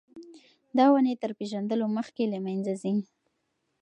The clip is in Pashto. دا ونې تر پېژندلو مخکې له منځه ځي.